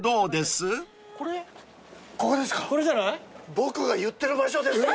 僕が言ってる場所です。